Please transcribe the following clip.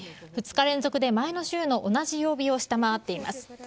２日連続で前の週の同じ曜日を下回っています。